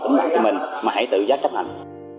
tổng hợp của mình mà hãy tự giác chấp hành